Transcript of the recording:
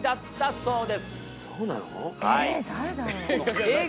そうなの？